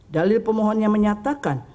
dalil permohonannya menyatakan